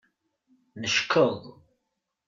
Neckeḍ.